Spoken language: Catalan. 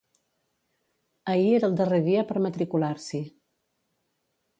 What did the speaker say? Ahir era el darrer dia per matricular-s'hi.